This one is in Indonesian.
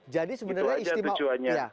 jadi sebenarnya istimewa